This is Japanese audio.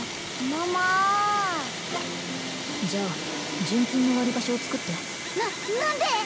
桃じゃあ純金の割り箸を作ってな何で？